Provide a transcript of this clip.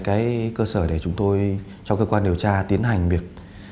cái cơ sở để chúng tôi cho cơ quan điều tra tiến hành việc